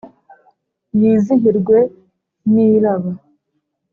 Yizihirwe n'iraba,